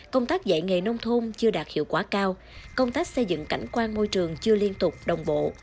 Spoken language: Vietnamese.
công tác dạy nghề nông thôn chưa đạt hiệu quả cao công tác xây dựng cảnh quan môi trường chưa liên tục đồng bộ